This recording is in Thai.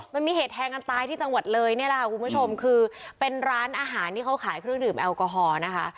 มันมีเหตุแทงกันตายที่จังหวัดเลยเนี่ยแหละค่ะคุณผู้ชมคือเป็นร้านอาหารที่เขาขายเครื่องดื่มแอลกอฮอล์นะคะ